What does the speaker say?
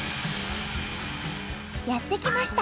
やって来ました！